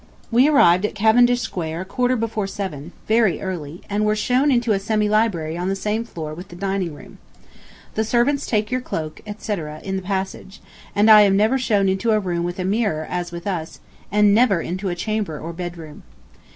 We arrived at Cavendish Square a quarter before seven (very early) and were shown into a semi library on the same floor with the dining room. The servants take your cloak, etc., in the passage, and I am never shown into a room with a mirror as with us, and never into a chamber or bedroom.